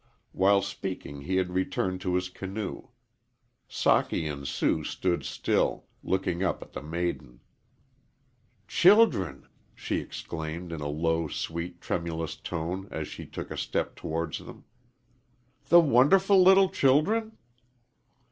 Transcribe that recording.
While speaking he had returned to his canoe. Socky and Sue stood still, looking up at the maiden. "Children!" she exclaimed, in a low, sweet, tremulous, tone, as she took a step towards them. "The wonderful little children?"